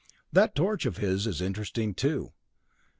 "That torch of his is interesting, too.